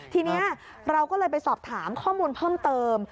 ทีนี้เราก็เลยไปสอบถามข้อมูลเพิ่มเติม